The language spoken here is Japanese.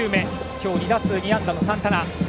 今日２打数２安打のサンタナ。